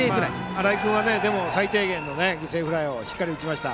新井君は最低限の犠牲フライをしっかり打ちました。